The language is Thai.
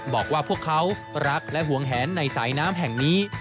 บอกว่าพวกเขารักและห่วงแหนในสายน้ำแห่งนี้